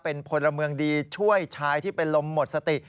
เป็นพลเมืองดีช่วยชายที่เป็นลมหมดสติ